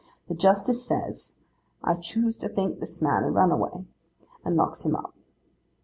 The justice says, 'I choose to think this man a runaway:' and locks him up.